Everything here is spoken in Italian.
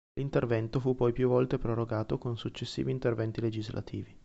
L'intervento fu poi più volte prorogato con successivi interventi legislativi.